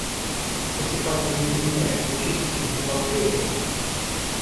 Если память мне изменяет, Вы числитесь в бухгалтерии?